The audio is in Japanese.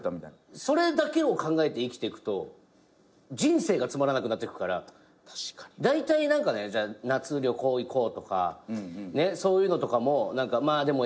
それだけを考えて生きていくと人生がつまらなくなっていくからだいたい夏旅行行こうとかそういうのとかもでもＭ−１優勝したらだなとか。